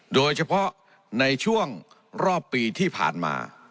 โดยเฉพาะในช่วงรอบปีที่ผ่านมา